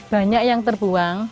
banyak yang terbuang